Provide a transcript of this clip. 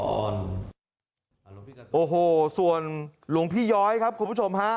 โอ้โหส่วนหลวงพี่ย้อยครับคุณผู้ชมฮะ